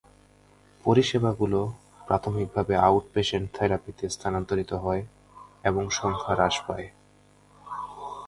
পরিষেবাগুলি প্রাথমিকভাবে আউটপেশেন্ট থেরাপিতে স্থানান্তরিত হয় এবং সংখ্যা হ্রাস পায়।